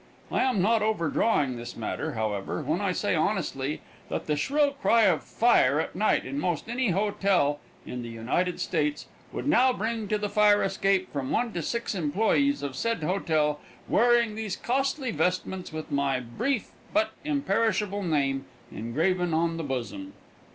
I am not overdrawing this matter, however, when I say honestly that the shrill cry of fire at night in most any hotel in the United States would now bring to the fire escape from one to six employes of said hotel wearing these costly vestments with my brief but imperishable name engraven on the bosom.